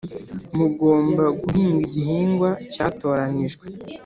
Mugomba Guhinga igihingwa cyatoranijwe